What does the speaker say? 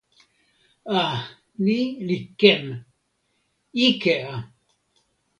a. ni li ken. ike a.